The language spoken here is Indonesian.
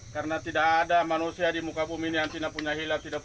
karena tidak ada manusia di muka bumi yang tidak punya hilang tidak punya kebencian